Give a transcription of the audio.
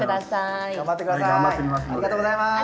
ありがとうございます！